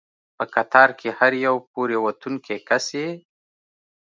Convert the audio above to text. په قطار کې هر یو پورې ووتونکی کس یې.